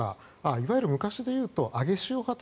いわゆる昔でいうと上げ潮派